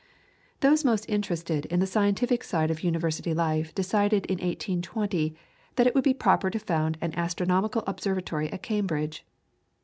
Those most interested in the scientific side of University life decided in 1820 that it would be proper to found an astronomical observatory at Cambridge.